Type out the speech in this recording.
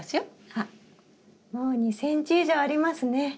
あっもう２ｃｍ以上ありますね。